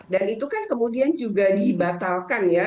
dan itu kan kemudian juga dibatalkan ya